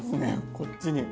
こっちに。